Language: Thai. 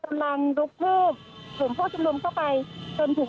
เพราะตอนนี้ก็ไม่มีเวลาให้เข้าไปที่นี่